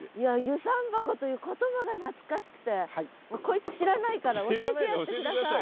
遊山箱という言葉が懐かしくてこいつ知らないから教えてやって下さい。